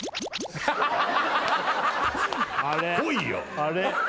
あれ？